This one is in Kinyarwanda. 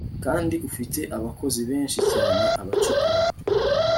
kandi ufite abakozi benshi cyane abacukure